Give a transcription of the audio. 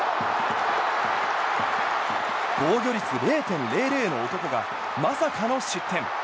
防御率０．００の男がまさかの失点。